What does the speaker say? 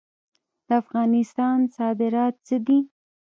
د افغانستان صادرات څه دي؟